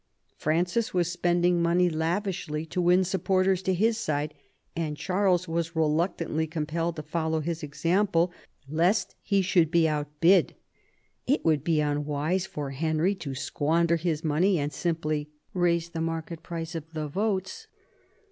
Francis was spending money lavishly to win supporters to his side ; and Charles was reluctantly com pelled to follow his example lest he should be outbid. It would be unwise for Henry to squander his money and simply raise the market price of the votes.